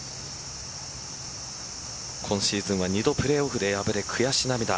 今シーズンは２度プレーオフで敗れ、悔し涙。